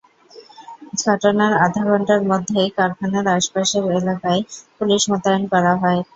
ঘটনার আধা ঘণ্টার মধ্যেই কারখানার আশপাশের এলাকায় পুলিশ মোতায়েন করা হয়।